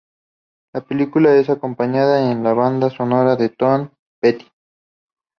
La película es acompañada en la banda sonora por Tom Petty.